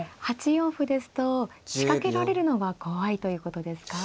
８四歩ですと仕掛けられるのは怖いということですか。